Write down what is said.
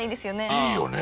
いいよね。